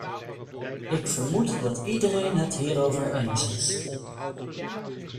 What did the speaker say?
Ik vermoed dat iedereen het hierover eens is.